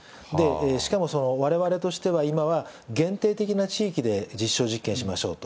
しかも、われわれとしては今は限定的な地域で実証実験しましょうと。